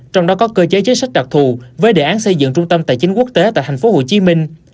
trong đó có cơ chế chính sách đặc thù với đề án xây dựng trung tâm tài chính quốc tế tại thành phố hồ chí minh